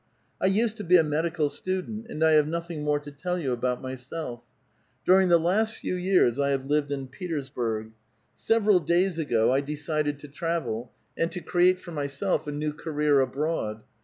I used to be a medical student, and I have nothing more to tell you about myself; During: the last few years 1 have lived in Petersburo:. 8ev eral days ago I decided to travel, and to create for myself a new career abroad.